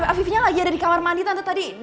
afifnya lagi ada di kamar mandi tante tadi